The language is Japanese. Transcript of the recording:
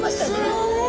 すごい！